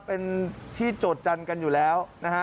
เป็นที่โจทยจันทร์กันอยู่แล้วนะฮะ